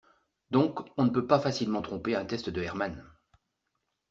Donc on ne peut pas facilement tromper un test de Herman